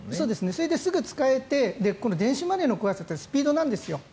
それですぐ使えて電子マネーってスピードなんですよ。